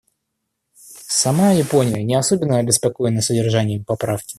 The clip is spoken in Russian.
Сама Япония не особенно обеспокоена содержанием поправки.